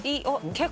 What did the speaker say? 結構。